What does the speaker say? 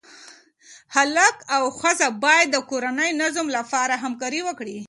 هلک او ښځه باید د کورني نظم لپاره همکاري وکړي.